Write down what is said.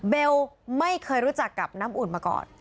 เบลไม่เคยรู้จักกับน้ำอุ่นมาก่อน